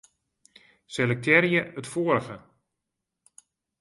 Selektearje it foarige.